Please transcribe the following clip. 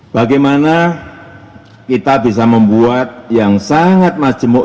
bagaimana kita bisa membuat yang sangat majemuk